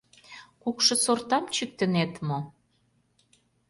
Кукшо сортам чӱктынет мо?